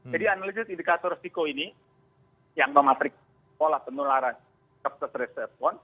jadi analisis indikator risiko ini yang mematriks pola penularan